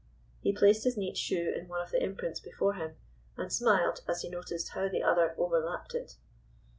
He placed his neat shoe in one of the imprints before him, and smiled as he noticed how the other overlapped it.